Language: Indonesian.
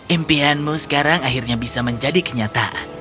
impianmu sekarang akhirnya bisa menjadi kenyataan